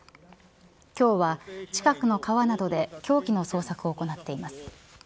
今日は近くの川などで凶器の捜索を行っています。